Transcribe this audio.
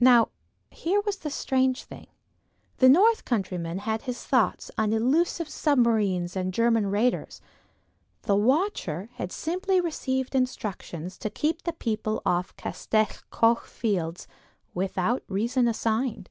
Now here was a strange thing. The north countryman had his thoughts on elusive submarines and German raiders; the watcher had simply received instructions to keep people off the Castell Coch fields, without reason assigned.